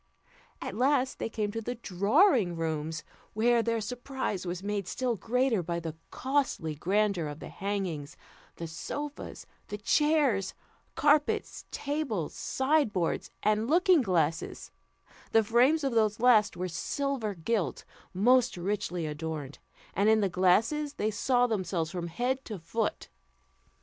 At last they came to the drawing rooms, where their surprise was made still greater by the costly grandeur of the hangings, the sofas, the chairs, carpets, tables, sideboards, and looking glasses; the frames of these last were silver gilt, most richly adorned, and in the glasses they saw themselves from head to foot.